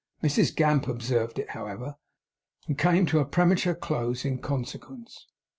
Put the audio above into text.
Mrs Gamp observed it, however, and came to a premature close in consequence.